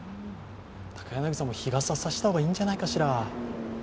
高柳さんも、日傘さした方が、いいんじゃないかしら。